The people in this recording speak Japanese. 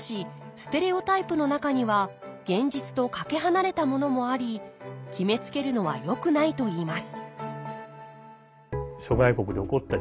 ステレオタイプの中には現実とかけ離れたものもあり決めつけるのはよくないといいます